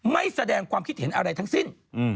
ไม่แสดงความคิดเห็นอะไรทั้งสิ้น